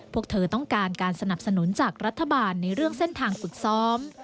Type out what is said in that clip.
พวกเธอต้องการการสนับสนุนจากรัฐบาลในเรื่องเส้นทางฝึกซ้อม